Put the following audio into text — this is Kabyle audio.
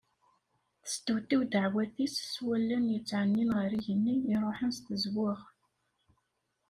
Testewtiw ddaɛwat-is s wallen yettɛennin ɣer yigenni iruḥen s tezweɣ.